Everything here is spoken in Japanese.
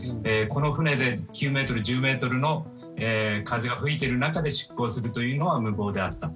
この船で９メートル１０メートルの風が吹いている中出航するというのは無謀であった。